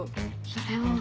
それは。